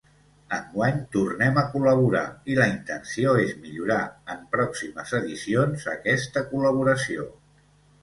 Enguany tornem a col·laborar i la intenció és millorar, en pròximes edicions, aquesta col·laboració.